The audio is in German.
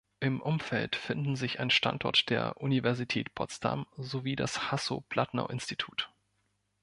Im Umfeld finden sich ein Standort der Universität Potsdam sowie das Hasso-Plattner-Institut.